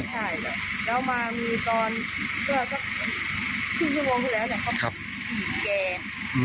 ใช่แล้วมามีตอนที่๑๐โมงที่แล้วเขาบีบแก